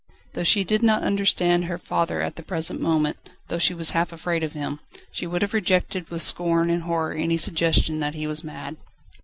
Though she did not understand her father at the present moment, though she was half afraid of him, she would have rejected with scorn and horror any suggestion that he was mad.